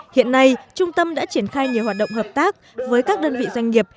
hiện nay trung tâm đã triển khai nhiều hoạt động hợp tác với các đơn vị doanh nghiệp